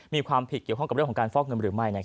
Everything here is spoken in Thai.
มีความผิดเกี่ยวข้องกับเรื่องของการฟอกเงินหรือไม่